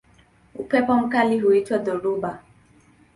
Upepo mkali huitwa dhoruba.